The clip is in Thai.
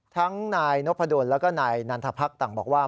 ทั้งนายนพดลแล้วก็นายนันทพรรคต่างบอกว่า